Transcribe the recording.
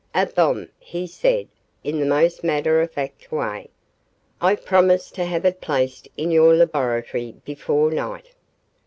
"A bomb," he said, in the most matter of fact way. "I promised to have it placed in your laboratory before night."